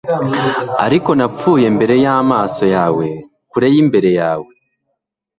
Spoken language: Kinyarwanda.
Ariko napfuye imbere y'amaso yawe kure y'imbere yawe